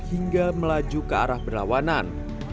hingga melaju ke arah berlawanan